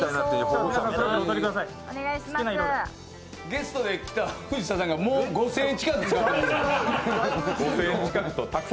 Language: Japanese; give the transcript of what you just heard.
ゲストで来た藤田さんが、もう５０００円近く。